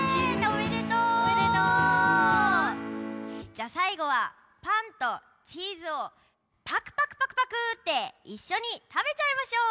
じゃあさいごはパンとチーズをパクパクパクパクっていっしょにたべちゃいましょう！